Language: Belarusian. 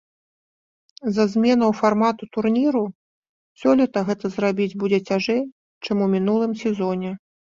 З-за зменаў фармату турніру сёлета гэта зрабіць будзе цяжэй, чым у мінулым сезоне.